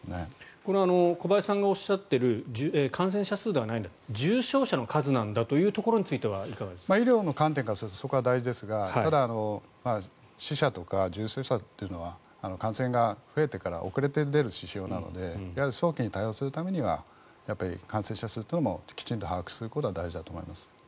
これは小林さんがおっしゃっている感染者数ではないんだ重症者の数なんだというところについては医療の観点からするとそこは大事ですがただ、死者とか重症者とかというのは感染が増えてから遅れて出る指標なので早期に対応するためには感染者数というのもきちんと把握することは大事だと思います。